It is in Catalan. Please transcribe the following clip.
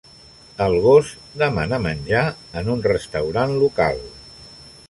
El gos demana menjar en un restaurant local.